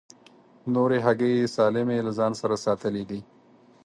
نورې هګۍ یې سالمې له ځان سره ساتلې دي.